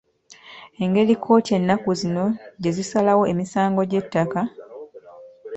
Engeri kkooti ennaku zino gye zisalawo emisango gy’ettaka